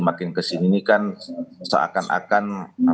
makin kesini ini kan seakan akan